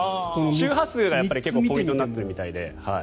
周波数がポイントになっているみたいで。